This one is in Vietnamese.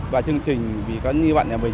và chương trình vì các bạn nhà mình